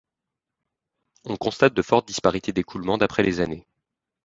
On constate de fortes disparités d'écoulement d'après les années.